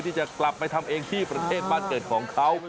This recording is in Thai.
ที่จะกลับไปทำเองที่ประเทศบ้านเกิดของเขา